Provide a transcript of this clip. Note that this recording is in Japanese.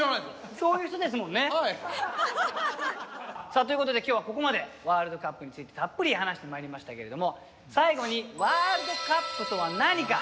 さあということで今日はここまでワールドカップについてたっぷり話してまいりましたけれども最後にワールドカップとは何か。